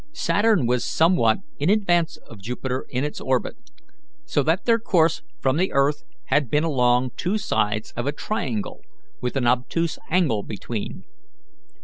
Saturn was somewhat in advance of Jupiter in its orbit, so that their course from the earth had been along two sides of a triangle with an obtuse angle between.